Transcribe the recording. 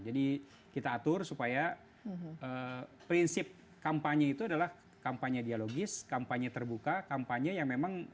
jadi kita atur supaya prinsip kampanye itu adalah kampanye dialogis kampanye terbuka kampanye yang memang